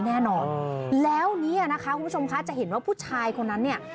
แน่นอนแล้วเนี่ยนะคะคุณผู้ชมคะจะเห็นว่าผู้ชายคนนั้นเนี่ย